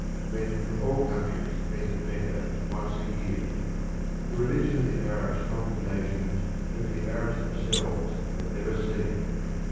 Men from all countries met at Mecca once a year. The religion of the Arabs conquered nations whom the Arabs themselves had never seen.